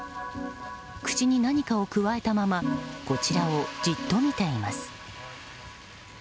口に何かをくわえたままこちらをじっと見ています。